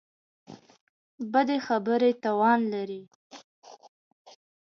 بدې خبرې تاوان لري.